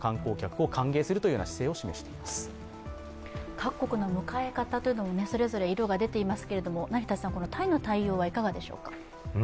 各国の迎え方もそれぞれ色が出ていますけれども、タイの対応はいかがでしょうか？